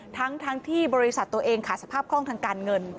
ทั้งที่บริษัทตัวเองขาดสภาพคล่องทางการเงิน